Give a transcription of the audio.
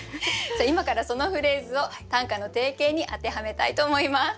今からそのフレーズを短歌の定型に当てはめたいと思います。